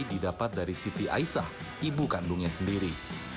didapat dari siti aisah ibu kandungnya sendiri